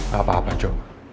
gak apa apa jok